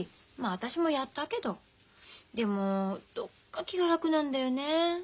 私もやったけどでもどっか気が楽なんだよね。